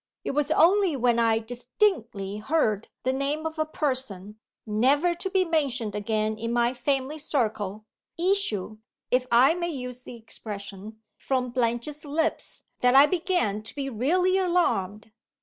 It was only when I distinctly heard the name of a person, never to be mentioned again in my family circle, issue (if I may use the expression) from Blanche's lips that I began to be really alarmed.